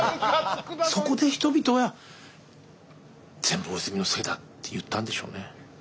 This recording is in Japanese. そこで人々は「全部大泉のせいだ」って言ったんでしょうね。